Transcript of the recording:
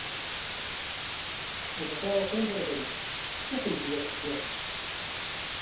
Okukaaba kw’empologoma kwo kuyitibwa kutya?